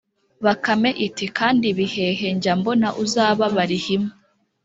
Bakame iti: Kandi Bihehe njya mbona uzaba Barihima